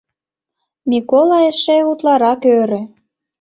— Микола эше утларак ӧрӧ.